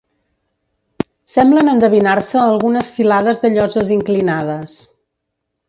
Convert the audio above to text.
Semblen endevinar-se algunes filades de lloses inclinades.